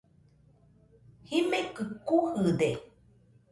Jimekɨ kujɨde.